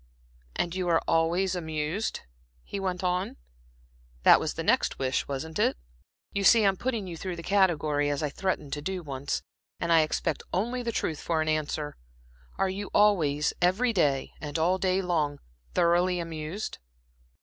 "And you are always amused?" he went on. "That was the next wish, wasn't it? You see I'm putting you through the category, as I threatened to do once, and I expect only the truth for an answer. Are you always, every day and all day long, thoroughly amused?"